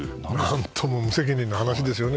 何とも無責任な話ですよね。